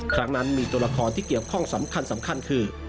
ครั้งนั้นมีตัวละครที่เกี่ยวข้องสำคัญคือ